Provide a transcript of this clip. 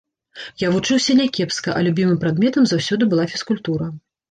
Я вучыўся някепска, а любімым прадметам заўсёды была фізкультура.